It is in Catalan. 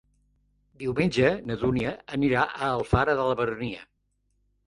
Diumenge na Dúnia anirà a Alfara de la Baronia.